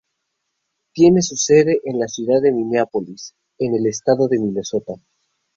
Tiene su sede en la ciudad de Mineápolis, en el estado de Minnesota.